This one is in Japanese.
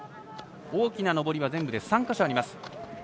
大きな上りは全部で３か所あります。